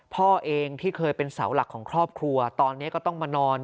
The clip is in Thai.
พ่อเองที่เคยเป็นเสาหลักของครอบครัวตอนนี้ก็ต้องมานอน